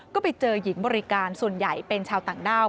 ก็ไปเจอหญิงบริการส่วนใหญ่เป็นชาวต่างด้าว